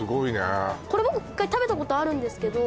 これ僕一回食べたことあるんですけど